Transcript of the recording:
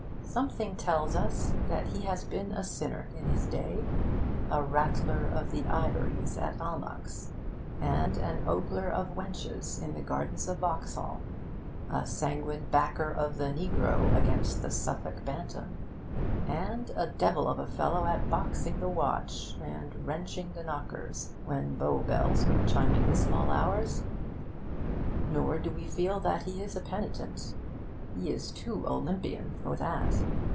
Something tells us that he has been a sinner in his day a rattler of the ivories at Almack's, and an ogler of wenches in the gardens of Vauxhall, a sanguine backer of the Negro against the Suffolk Bantam, and a devil of a fellow at boxing the watch and wrenching the knockers when Bow Bells were chiming the small hours. Nor do we feel that he is a penitent. He is too Olympian for that.